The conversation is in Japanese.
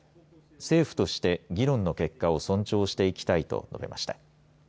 政府として議論の結果を尊重していきたいと述べました。